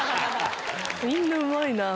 みんなうまいなぁ。